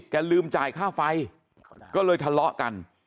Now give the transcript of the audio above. ลืมจ่ายค่าไฟก็เลยทะเลาะกัน